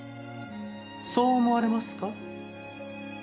そう思われますか？